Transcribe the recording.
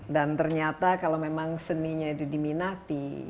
dan ternyata kalau memang seninya itu diminati